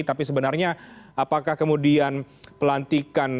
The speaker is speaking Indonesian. tapi sebenarnya apakah kemudian pelantikan